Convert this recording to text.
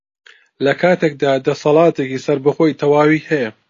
لەکاتێکدا دەسەڵاتێکی سەربەخۆی تەواوی هەیە